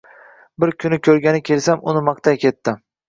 Bir kuni ko`rgani kelsam, uni maqtay ketdi